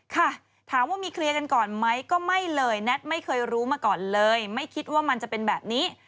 ค่ะถามว่ามีเคลียร์กันก่อนไหมก็ไม่เลยแน็ตไม่เคยรู้มาก่อนเลยไม่คิดว่ามันจะเป็นแบบนี้